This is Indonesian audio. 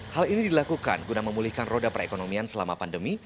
hal ini dilakukan guna memulihkan roda perekonomian selama pandemi